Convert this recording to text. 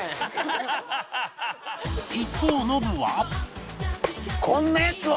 一方ノブは